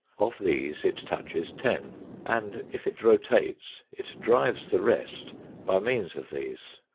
Of these it touches ten, and, if it rotates, it drives the rest by means of these.